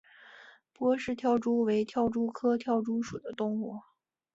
波氏跳蛛为跳蛛科跳蛛属的动物。